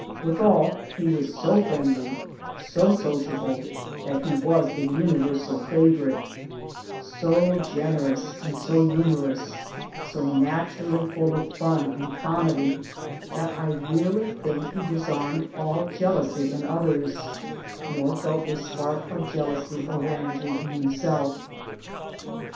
Withal he was so friendly, so sociable, that he was a universal favorite ; so generous and BRIGHTON 17 so humorous so naturally full of fun and comedy that I really think he disarmed all jealousy in others nor felt a spark of jealousy or vanity in himself.